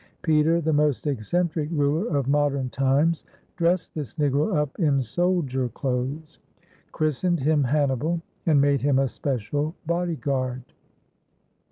Peter, the most eccentric ruler of modern times, dressed this Negro up in soldier clothes, christened him Hannibal, and made him a special body guard.